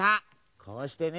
こうしてね。